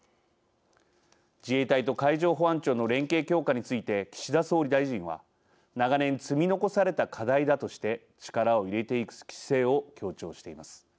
自衛隊と海上保安庁の連携強化について岸田総理大臣は長年積み残された課題だとして力を入れていく姿勢を強調しています。